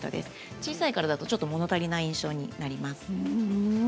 小さい柄だともの足りない印象になります。